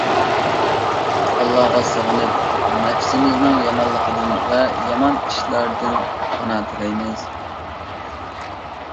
ئاللاغا سېغىنىپ نەپسىمىزنىڭ يامانلىقىدىن ۋە يامان ئىشلاردىن پانا تىلەيمىز.